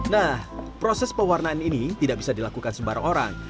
nah proses pewarnaan ini tidak bisa dilakukan sebarang orang